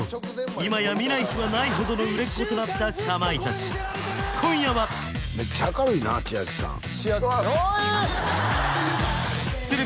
今や見ない日はないほどの売れっ子となったかまいたち今夜はめっちゃ明るいなちあきさんちあきえ！？